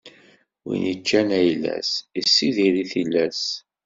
Win iččan ayla-s, issidir i tillas.